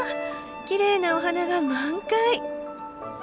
きれいなお花が満開！